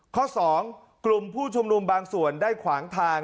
ข้อ๒กลุ่มผู้ชุมนุมบางส่วนได้ขวางทาง